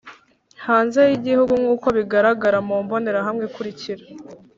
Hanze y igihugu nk uko bigaragara mu mbonerahamwe ikurikira